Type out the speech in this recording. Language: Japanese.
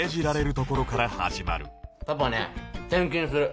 パパね転勤する。